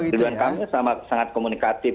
ridwan kamil sangat komunikatif